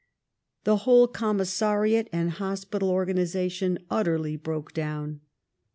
The whole commissariat and hospital organization utterly broke down.